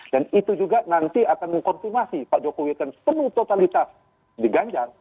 dan itu juga nanti akan mengkonfirmasi pak jokowi akan penuh totalitas diganjar